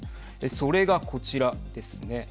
それが、こちらですね。